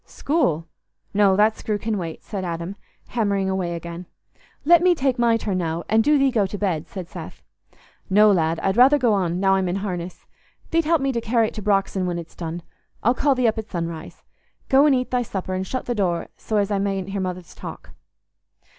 "School? No, that screw can wait," said Adam, hammering away again. "Let me take my turn now, and do thee go to bed," said Seth. "No, lad, I'd rather go on, now I'm in harness. Thee't help me to carry it to Brox'on when it's done. I'll call thee up at sunrise. Go and eat thy supper, and shut the door so as I mayn't hear Mother's talk."